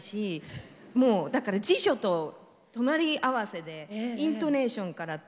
もうだから辞書と隣り合わせでイントネーションからっていう。